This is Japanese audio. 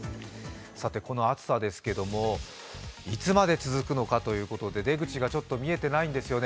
さて、この暑さですけれどもいつまで続くのかということで出口が見えてないんですよね